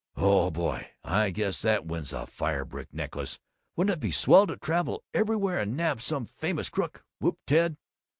"Oh, boy! I guess that wins the fire brick necklace! Wouldn't it be swell to travel everywhere and nab some famous crook!" whooped Ted.